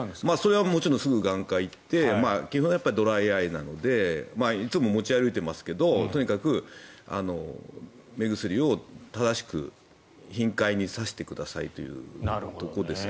すぐに眼科に行って基本、ドライアイなのでいつも持ち歩いていますがとにかく目薬を正しく頻回に差してくださいというところです。